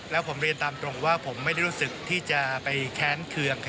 แล้วผมเรียนตามตรงว่าผมไม่ได้รู้สึกที่จะไปแค้นเคือง